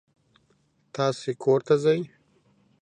تاسې کور ته ځئ.